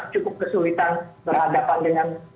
cukup kesulitan berhadapan dengan